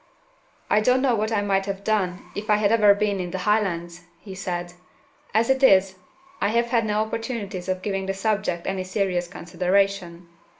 "I don't know what I might have done, if I had ever been in the Highlands," he said. "As it is, I have had no opportunities of giving the subject any serious consideration."